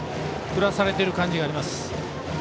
振らされてる感じがあります。